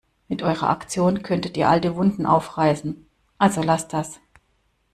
Mit eurer Aktion könntet ihr alte Wunden aufreißen, also lasst das!